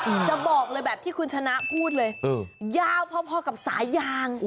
จะบอกเลยแบบที่คุณชนะพูดเลยยาวพอกับสายยาง